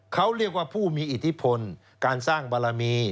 เขาเรียกว่าผู้มีอิทธิพลการสร้างบารมี